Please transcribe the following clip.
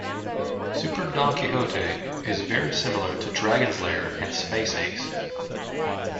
"Super Don Quix-ote" is very similar to "Dragon's Lair" and "Space Ace".